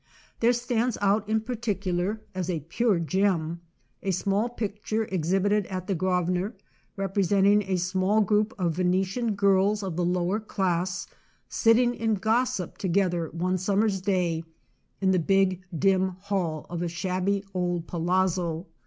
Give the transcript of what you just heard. There stands out in particular, as a pure gem, a small picture exhibited at the Grosvenor, repre senting a small group of Venetian girls of the lower class, sitting in gossip to gether one summer's day in the big, dim hall of a shabby old palazzo.